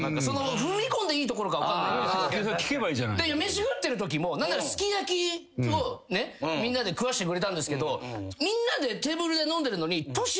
飯食ってるときもすき焼きを食わしてくれたんですけどみんなでテーブルで飲んでるのにＴＯＳＨＩだけ。